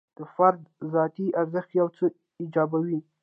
د فرد ذاتي ارزښت یو څه ایجابوي.